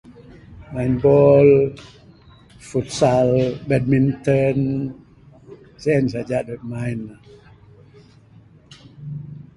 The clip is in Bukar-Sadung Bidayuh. Main bol, futsal, badminton, sien saja da dog nain ne.